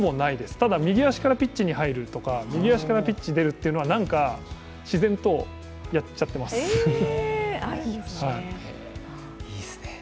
ただ、右足からピッチに入るとか、右足からピッチを出るというのは、なんか自然とやっちゃっています。